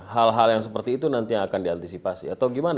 hal hal yang seperti itu nanti yang akan diantisipasi atau gimana